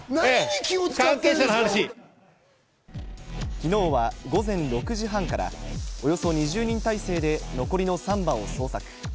昨日は午前６時半からおよそ２０人態勢で残りの３羽を捜索。